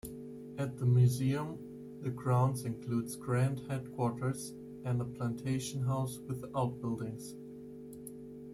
At the museum, the grounds include Grant's headquarters, and a plantation house with outbuildings.